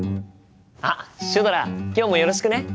あっシュドラ今日もよろしくね。